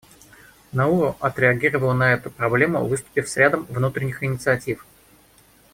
Науру отреагировала на эту проблему, выступив с рядом внутренних инициатив.